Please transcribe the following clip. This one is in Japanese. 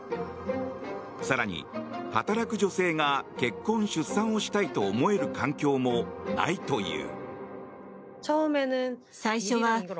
更に働く女性が結婚、出産をしたいと思える環境もないという。